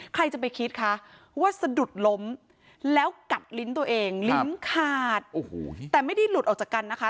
ใครจะไปคิดคะว่าสะดุดล้มแล้วกัดลิ้นตัวเองลิ้นขาดโอ้โหแต่ไม่ได้หลุดออกจากกันนะคะ